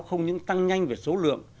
không những tăng nhanh về số lượng